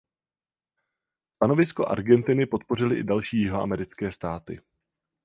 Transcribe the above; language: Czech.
Stanovisko Argentiny podpořily i další jihoamerické státy.